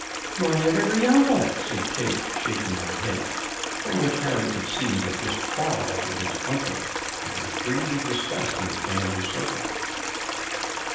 "Nor yet every uncle," said Kate, shaking her head, from which Harry could see that this quarrel with his uncle had been freely discussed in the family circle.